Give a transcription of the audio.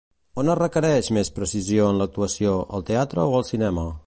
On es requereix més precisió en l'actuació, al teatre o al cinema?